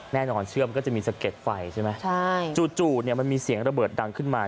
แน่นอนเชื่อมันก็จะมีสะเก็ดไฟใช่ไหมจู่มันมีเสียงระเบิดดังขึ้นมา